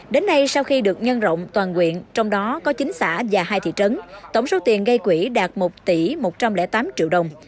đến nay sau khi được nhân rộng toàn quyện trong đó có chín xã và hai thị trấn tổng số tiền gây quỹ đạt một tỷ một trăm linh tám triệu đồng